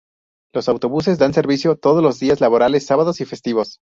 Los autobuses dan servicio todos los días laborables, Sábados y festivos.